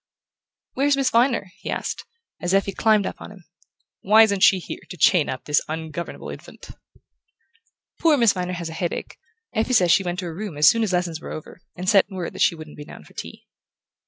"Where's Miss Viner?" he asked, as Effie climbed up on him. "Why isn't she here to chain up this ungovernable infant?" "Poor Miss Viner has a headache. Effie says she went to her room as soon as lessons were over, and sent word that she wouldn't be down for tea."